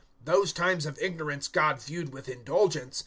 017:030 Those times of ignorance God viewed with indulgence.